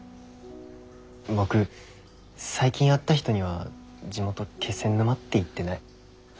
僕最近会った人には地元気仙沼って言ってない。